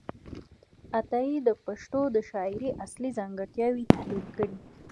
عطايي د پښتو د شاعرۍ اصلي ځانګړتیاوې تحلیل کړې دي.